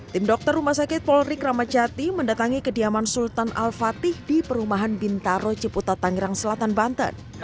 tim dokter rumah sakit polri kramacati mendatangi kediaman sultan al fatih di perumahan bintaro ciputa tangerang selatan banten